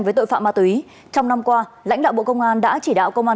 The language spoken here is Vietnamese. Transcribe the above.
với tội phạm ma túy trong năm qua lãnh đạo bộ công an đã chỉ đạo công an